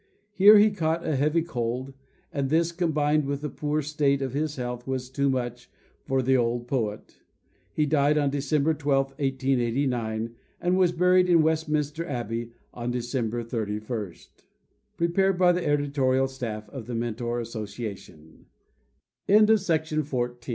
Here he caught a heavy cold, and this, combined with the poor state of his health, was too much for the old poet. He died on December 12, 1889, and was buried in Westminster Abbey on December 31. PREPARED BY THE EDITORIAL STAFF OF THE MENTOR ASSOCIATION ILLUSTRATION FOR THE MENTOR, VOL.